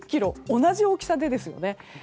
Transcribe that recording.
同じ大きさでです。